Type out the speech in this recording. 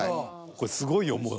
これすごいよもう。